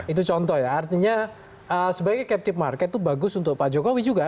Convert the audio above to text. itu contoh ya artinya sebagai captive market itu bagus untuk pak jokowi juga